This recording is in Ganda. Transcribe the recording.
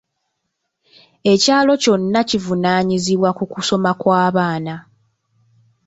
Ekyalo kyonna kivunaanyizibwa ku kusoma kw'abaana.